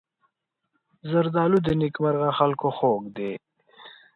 زردالو د نېکمرغه خلکو خوږ دی.